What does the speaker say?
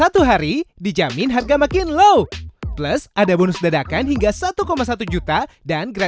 tunggu perintah saya selanjutnya